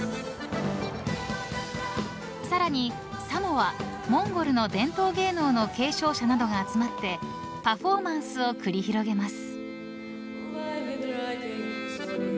［さらにサモアモンゴルの伝統芸能の継承者などが集まってパフォーマンスを繰り広げます］